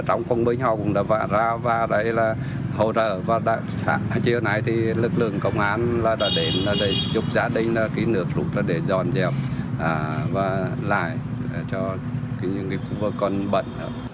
trong thời gian này lực lượng công an đã đến giúp gia đình nửa lục để dọn dẹp và lại cho những người con bận